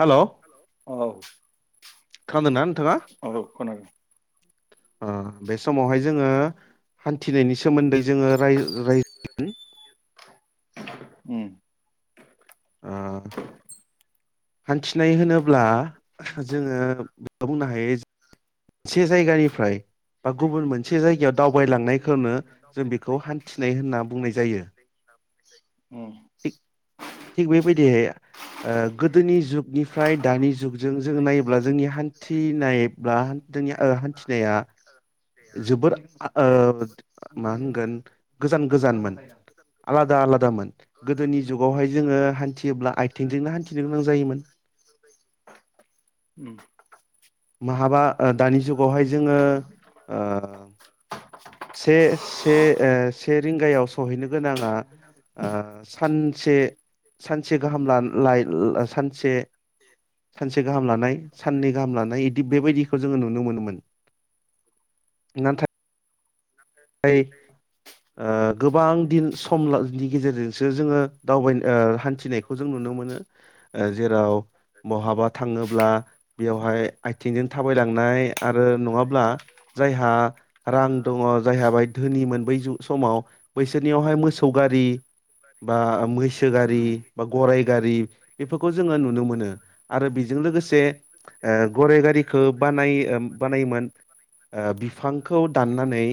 Hello औ। खादों नान औ खोनादों। उह बे समावहाय जोङो हान्थिनायनि सो मोन्दै जोङो राय-राय होम उम। ओ। हान्थिनाय होनोब्ला जोङो बुंनो हायो से जायगानिफ्राय बा गुबुन मोनसे जायगायाव दावबायलांनायखौनो जों बिखौ हान्थिनाय होनना बुंनाय जायो। बे [inaudible] थिग थिग बेबायदियै ओ गोदोनि जुगनिफ्राय दानि जुगजों जोङो नायोब्ला जोंनि हान्थिनाय बा जोंनि ओ हान्थिनाया जोबोर ओ मा होनगोन गोजान गोजानमोन आलादा आलादामोन। गोदोनि जुगावहाय जोङो हान्थियोब्ला आयथिंजों थिनो गोनां जायोमोन उम माहाबा ओ दानि जुगावहाय जोङो ओ से से से रिंगायाव सहैनो गोनाङा ओ सानसे सानसे गाहाम ला - लाय ला सानसे सानसे गाहाम लानाय साननै गाहाम लानाय इदि बेबायदिखौ जोङो नुनो मोनोमोन नाथाय ओय ओ गोबां दिन समनि गेजेरजोंसो जोङो दावबाय ओ हान्थिनायखौ जों नुनो मोनो ओ जेराव बहाबा थाङोब्ला बेवहाय आथिंजों थाबायलांनाय आरो नङाब्ला जायहा रां दङ जायहा बायक धोनिमोन बै जु समाव बैसोरनियावहाय मोसौ गारि बा मैसो गारि उम बा गराइ गारि बेफोरखौ जोङो नुनो मोनो आरो बेजों लोगोसे ओ गराइ गारिखौ बानाय ओ बानायोमोन ओ बिफांखौ दाननानै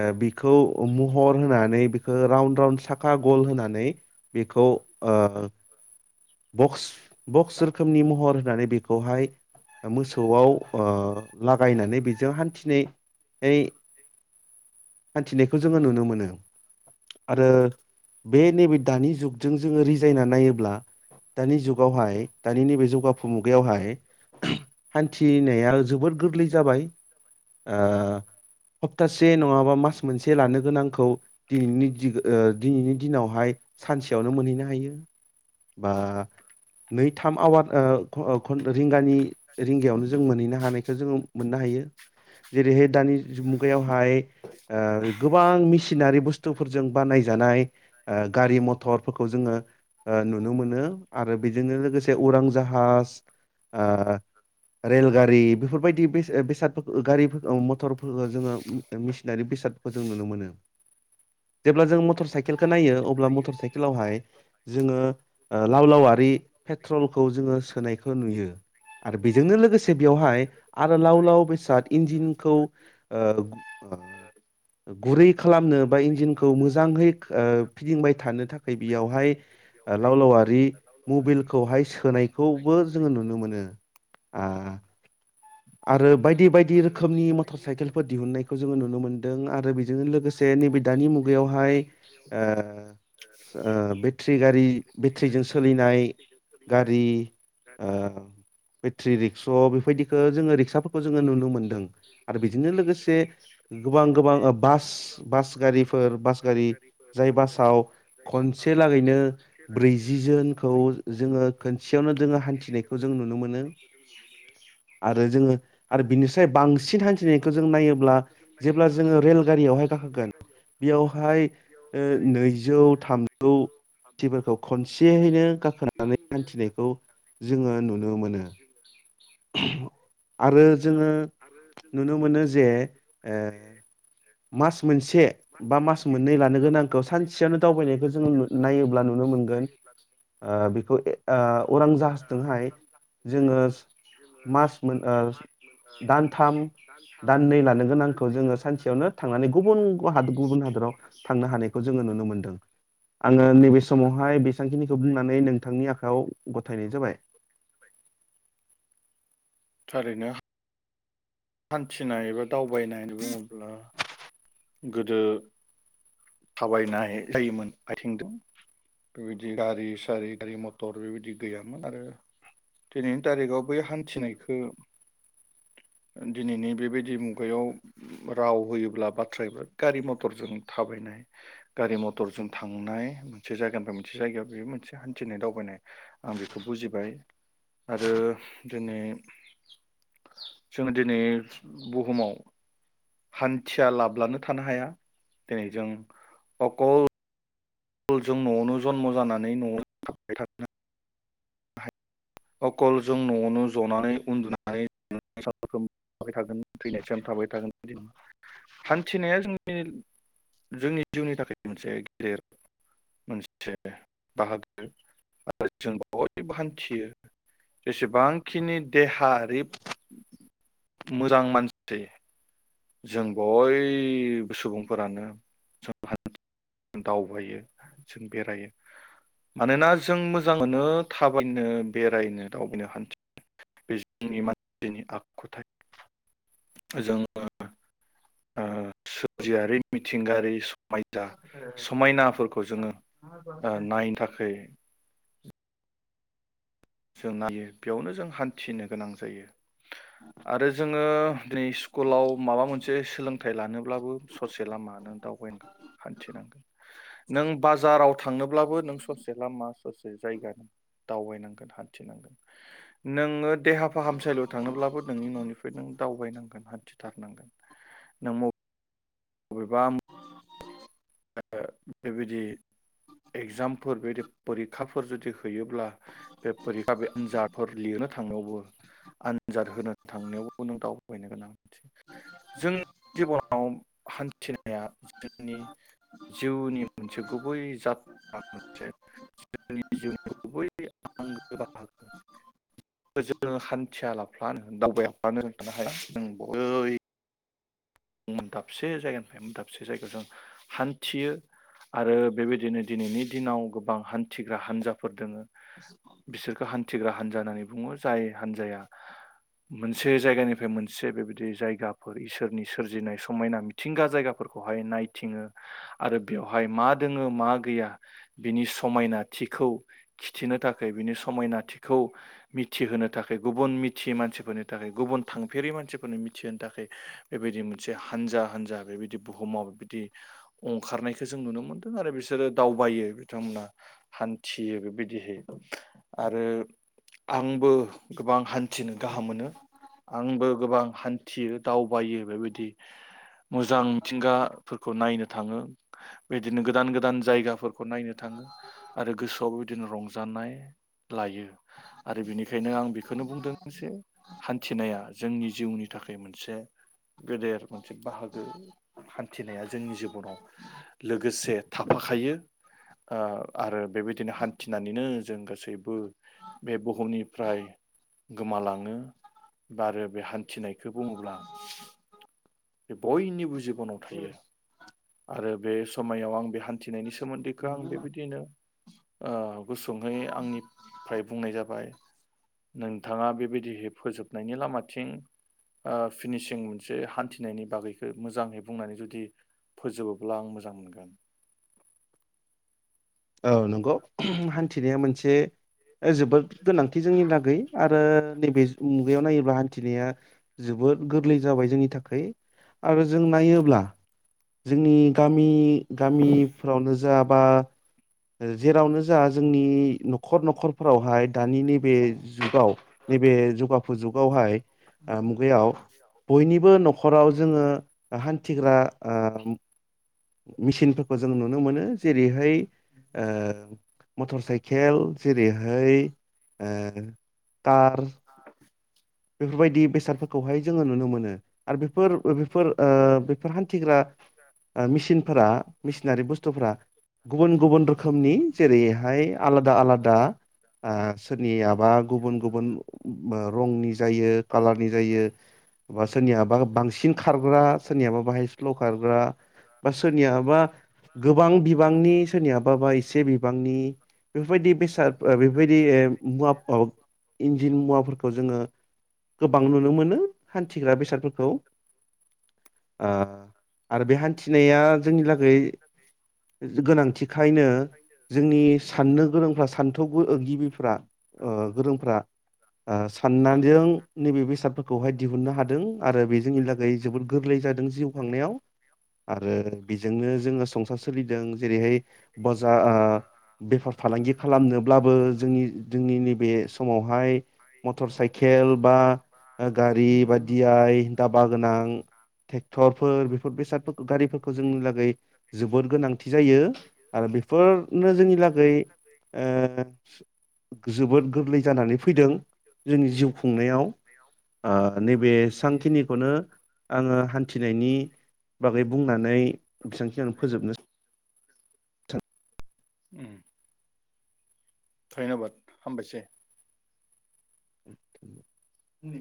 ओ बि खौ महर होनानै बेखो राउन्ड राउन्ड साखा गल होनानै बेखौ ओ बक्स बक्स रोखोमनि महर होनानै बेखौहाय ओ मोसौआव ओ लागायनानै बेजों हान्थिनाय नाय हान्थिनायखौ जोङो नुनो मोनो। आरो बेनिबादि दानि जुगजों जोङो रिजायना नायोब्ला दानि जुगावहाय दानि नैबे जौगाफु मुगायावहाय हान्थिनाया जोबोद गोरलै जाबाय ओ सप्तासे नङाबा मास मोनसे लानो गोनांखौ दिनैनि दिग ओ दिनैनि दिनावहाय सानसेयावनो मोनहैनो हायो बा नै थाम आवार ओ घ ओ घन रिंगानि रिंगायावनो जों मोनैनो हानाय जोङो मोननो हायो जेरैहाय दानि जुग बेयावहाय ओ गोबां मेसिनारि बुस्थुफोरजों बानाय जानाय ओ गारि म थरफोरखौ जोङो ओ नुनो मोनो आरो बेजोंनो लोगोसे उरां जाहाज ओ रेलगारि बेफोरबायदि बेस ओ बेसादफोर ओ गारिफोरखो ओ मथरफोरखो ज जोङो उम ओ मेसिनारि बेसाद जों नुनो मोनो जेब्ला जों मथर साइकेल नायो अब्ला मटर साइकेलावहाय जोङो ओ लाव लावारि पेट्रलखौ जोङो सोनायखौ नुयो, आरो बेजोंनो लोगोसे बेयावहाय आरो लाव लाव बेसाद इन्जिनखौ ओ ओ गुरै खालामनो बा इन्जिनखौ मोजाङै ओ थानो थाखाय बियावहाय ओ लाव लावारि मबिलखौहाय सोनायखौबो जोङो नुनो मोनो आ आरो बायदि बायदि रोखोमनि मथर साइकेलफोर दिहुननायखौ जोङो नुनो मोनदों आरो बेजोंनो लोगोसे नैबे दानि मुगायावहाय ओ ओ ओ बेथ्रि गारि बेथ्रिजों सोलिनाय गारि ओ बेथ्रि रिक्स' बेफोरबायदि जोङो रिकसाफोरखौ जोङो नुनो मोनदों आरो बेजोंनो लोगोसे गोबां गोबां ओ बास बास गारिफोर बास गारि जाय बासाव खनसे लागैनो ब्रैजि जोनखौ जोङो खनसेयावनो जोङो हान्थिनायखौ जों नुनो मोनो [unintelligible] आरो जोङो आरो बिनिफ्राय बांसिन हान्थिनायखौ जों नायोब्ला जेब्ला जोङो रेलगारियावहाय गाखोगोन बेयावहाय ओ नैजि थामजौफोरखौ खनसेयैनो गाखोनानै हान्थिनायखौ जोङो नुनो मोनो। आरो जोङो नुनो मोनो जे मास मोनसे बा मास मोननै लानो गोनांखौ सानसेयावनो दावबायनायखौ जोङो नायोब्ला नुनो मोनगोन ओ बेखौ ओ उरां जाहाजजोंहाय जोङो मास मोन दानथाम दाननै लानो गोनांखौ जोङो सानसेयावनो थांनानै गुबुन हादोराव गुबुन हादराव थांनो हानायखौ जोङो नुनो मोनो आङो नैबे समावहाय बेसांखिनिखौ बुंनानै नोंथांनि आखायाव गथायनाय जाबाय। थारैनो हान्थिनाय एबा दावबायनाय होना बुङोब्ला गोदो थाबायनाय जायोमोन आथिंजों बेबायदि गारि सारि गारि मथर बेबायदि गैयामोन आरो दिनैनि थारिखआव बै हान्थिनायखौ दिनैनि बेबायदि मुगायाव राव होयोब्ला बाथ्रा एबा गारि मथरजों थाबायनाय गारि मथरजों थांनाय मोनसे जायगानिफ्राय मोनसे जायगायाव बे मोनसे हान्थिनाय दावबायनाय आं बेखौ बुजिबाय आरो दिनै जोङो दिनै बुहुमाव हान्थिया लाब्लानो थानो हाया दिनै जों अकल जों न'आवनो जन्म' जानानै न'आव थाबाय थानो अखल जों न'आवनो जनानै उन्दुनानै सान थागोन थैनायसिम थाबाय थागोन हान्थिनाया जोंनि जोंनि जिउनि थाखाय मोनसे गेदेर मोनसे बाहागो आरो जों बयबो हान्थियो। जेसेबांखिनि देहायारि मोजां मानसि जों बयबो सुबुंफोरानो जों दावबायो जों बेरायो मानोना जों मोजांमोनो थाबायनो बेरायनो दावबायनो हान्थि बे जोंनि मानसिनि आखुथाय जों [inaudible] ओ सोरजियारि सिंगारि समायजा समायनाफोरखौ जोङो नायनो थाखाय जों नायो बेयावनो जों हान्थिनो गोनां जायो। आरो जोङो दिनै स्कुलाव माबा मोनसे सोलोंथाइ लानोब्लाबो ससे लामा नों दावबायागोन हान्थिनांगोन नों बाजाराव थांनोब्लाबो नों ससे लामा ससे जायगा नों दावबायनाय हानथिनांगोन नोङो देहा फाहामसालिआव थांनोब्लाबो नोंनि न'निफ्राय नों दावबायनांगोन हान्थिथारनांगोन नों मबा अबेबा बेबायदि एगजामफोर बेबायदि फरिखाफोर जुदि होयोब्ला बे बे आनजादफोर लिरनो थांनायावबो आनजाद होनो थांनायावबो नों दावबायबायनो गोनां जोंनि जिबनाव हान्थिनाया जोंनि जिउनि मोनसे गुबै जाथाय मोनसे जोंनि जिउनि गुबै आंगो बाहागो जोङो हान्थियालाबानो दावबायालाबानो थानो हाया नों बै दाबसे जायगानिफ्राय दाबसे जायगायाव जों हान्थियो आरो बेबायदिनो दिनैनि दिनाव गोबां हान्थिग्रा हान्जाफोर दोङो बिसोरखौ हान्थिग्रा हानजा होनानै बुङो जाय हान्जाया मोनसे जायगानिफ्राय मोनसे बेबायदि जायगाफोर इसोरनि सोरजिनाय समायना मिथिंगा जायगाफोरखौहाय नायथिङो आरो बेवहाय मा दोङो मा गैया बिनि समायनाथिखौ खिथिनो थाखाय बिनि समायनाथिखौ मिथिहोनो थाखाय गुबुन मिथियै मानसिफोरनि नि थाखाय गुबुन थांफेरि मानसिफोरनो मिथिहोनो थाखाय बेबायदि मोनसे हानजा हान्जा बेबायदि बुहुमाव बिदि अंखारनायखौ जों नुनो मोनदों आरो बिसोरो दावबायो बिथांमोना हान्थियो बेबायदिहै आरो आंबो गोबां हान्थिनो गाहाम मोनो आंबो गोबां हान्थियो दाव बायो बेबायदि मोजां मिथिंगाफोरखौ नायनो थाङो बेदिनो गोदान गोदान जायगाफोर खौ नायनो थाङो आरो गोसोआवबो बिदिनो रं जानाय लायो आरो बेनिखायनो आं बेखौनो बुंदों जे हान्थिनाया जोंनि जिउनि थाखाय मोनसे गेदेर मोनसे बाहागो हान्थिनाया जोंनि जिबनाव लोगोसे थाफाखायो ओ आरो बेबायदिनो हान्थिनानैनो जों गासैबो बे बुहुमनिफ्राय गोमालाङो बा आरो बे हान थिनायखौ बुङोब्ला बे बयनि जि बनाव थायो आरो बे समायाव आं बे हान्थिनायनि सो मोन्दैखौ आं बेबायदिनो आ गुसुंहै आंनि फ्राइ बुंनाय जाबाय नोंथाङा बेबायदिहै फोजोबनायनि लामाथिं ओ फिनिसिं मोनसे हान्थिनायनि बागैखो मोजांहै बुंनानै जुदि फोजोबोब्ला आं मोजां मोनगोन औ नंगौ हान्थिनाया मोनसे जोबोद गोनांथि जोंनि लागै आरो नैबे मुगायाव नायोब्ला हान्थिनाया जोबोद गोरलै जाबाय जोंनि थाखाय आरो जों नायोब्ला जोंनि गामि नि गामिफ्रावनो ज जाबा जेरावनो जा जोंनि न'खर न'खरफोरावहाय दानि नैबे जुगाव नैबे जुगाफु जुगावहाय मुगायाव बयनिबो न'खराव जोङो हान्थिग्रा आ मेचिनफोरखौ जों नुनो मोनो जेरैहाय ओ मटर साइकेल जेरैहाय ओ खार बेफोरबायदि बेसादफोरखौहाय जोङो नुनो मोनो आरो बे फोर बेफोर ओ बेफोर हान्थिग्रा मेचिनफोरा मेचिनारि बुसथुफोरा गुबुन गुबुन रोखोमनि जेरै हाय आलादा आलादा आ सोरनियाबा गुबुन गुबुन रंनि जायो खालारनि जायो सोरनियाबा बां खारग्रा सोरनियाबा बाहाय स्ल' खारग्रा बा सोरनियाबा गोबां बिबांनि सोरनियाबा बा एसे बिबांनि बेफोरबायदि बेसाद बेफोरबायदि मुवा इन्जिन मुवाफोरखौ जोङो गोबां नुनो मोनो हान्थिग्रा बेसादफोरखौ आ आरो बे हान्थिनाया जोंनि लागै गोनांथिखायनो जोंनि साननो गोरोंफ्रा सान्थौ गिबिफ्रा ओ गोरोंफ्रा सानना नै नैबे बेसाद फोरखौ दिहुन्नो हादों आरो बे जोबोर गोरलै जादों जिउ खांनायाव आरो बेजोंनो जोङो संसार सोलिदों जेरैहाय बाजा बेफार फालांगि खालामनोब्लाबो जोंनि नैब समावहाय मटर साइ केल बा गारि बा दि आइ। गोनां थेखथरफोर बेफोर बेसादफोरखौ गारिफोरखौ जोंनि लागै जोबोर गोनांथि जायो आरो बेफोरनो जोंनि लागै ओ जोबोद गोरलै जानानै फैदों जोंनि जिउ खुंनायाव आ नैबे सानखिनिखौनो आङो हान्थिनायनि बागै बुंनानै बेसांखिनिआवनो फोजोबनो उम। धन्यबाद हामबायसै। उम।